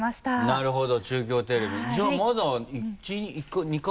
なるほど。